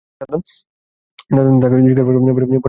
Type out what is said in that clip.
তাকে জিজ্ঞাসাবাদ করলে, বড় কিছু বেরিয়ে আসবে।